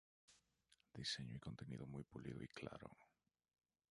Diseño y contenido muy pulido y claro.